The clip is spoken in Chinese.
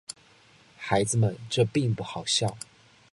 孩子们，这并不好笑。